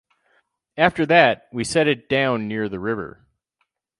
After that, we set it down near the river.